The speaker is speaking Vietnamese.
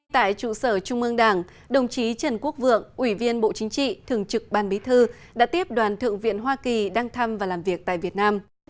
tại trụ sở trung ương đảng đồng chí trần quốc vượng ủy viên bộ chính trị thường trực ban bí thư đã tiếp đoàn thượng viện hoa kỳ đăng thăm và làm việc tại việt nam